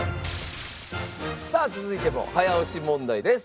さあ続いても早押し問題です。